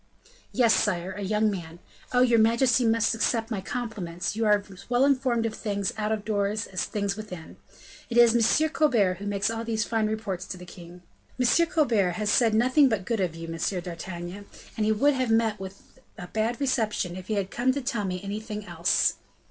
"Yes, sire; a young man. Oh! your majesty must accept my compliments, you are as well informed of things out of doors as things within. It is M. Colbert who makes all these fine reports to the king." "M. Colbert has said nothing but good of you, M. d'Artagnan, and he would have met with a bad reception if he had come to tell me anything else."